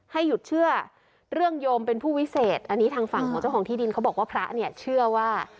ให้หยุดเชื่อเรื่องโยมเป็นผู้วิเศษอันนี้ทางฝั่งของเจ้าของที่ดินเขาบอกว่าพระเนี่ยเชื่อว่า